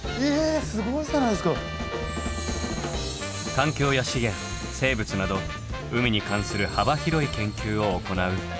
環境や資源生物など海に関する幅広い研究を行う。